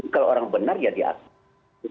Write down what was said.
kalau orang benar ya diakui